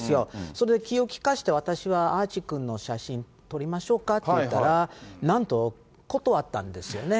それで気を利かせて、私はアーチーくんの写真撮りましょうかって言ったら、なんと、断ったんですよね。